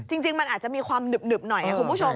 จริงมันอาจจะมีความหนึบหน่อย